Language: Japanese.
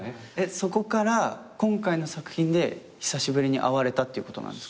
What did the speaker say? そこから今回の作品で久しぶりに会われたっていうことなんですか？